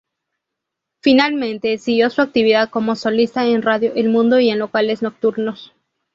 Finalmente siguió su actividad como solista en Radio El Mundo y en locales nocturnos.